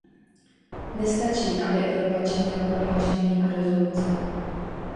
Nestačí, aby Evropa činila prohlášení a rezoluce.